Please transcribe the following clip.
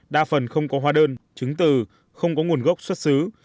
đa phần không có hóa đơn chứng từ không có nguồn gốc xuất xứ